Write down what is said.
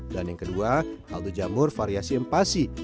dan yang kedua kaldu jamur variasi empasi